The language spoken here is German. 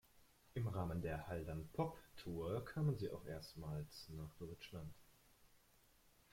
Im Rahmen der Haldern Pop Tour kamen sie auch erstmals nach Deutschland.